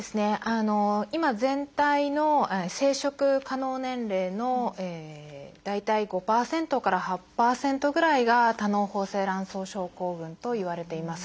今全体の生殖可能年齢の大体５％から８％ぐらいが多嚢胞性卵巣症候群といわれています。